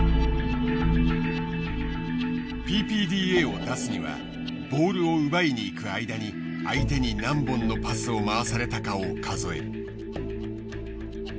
ＰＰＤＡを出すにはボールを奪いに行く間に相手に何本のパスを回されたかを数える。